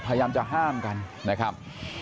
พยายามจะห้ามกันนะครับ